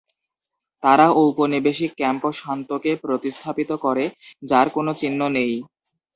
তারা ঔপনিবেশিক ক্যাম্পো সান্তোকে প্রতিস্থাপিত করে, যার কোন চিহ্ন নেই।